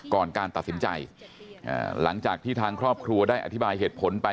ก่อนการตัดสินใจหลังจากที่ทางครอบครัวได้อธิบายเหตุผลไป